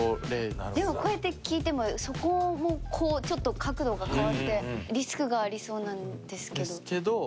でも、こうやって聞いてもそこも、こう、ちょっと角度が変わってリスクがありそうなんですけど。